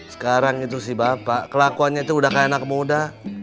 sekarang itu si bapak kelakuannya itu udah kayak anak muda